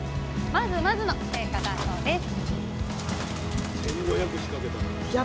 まずまずの成果だそうです